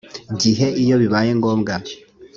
gihe iyo bibaye ngombwa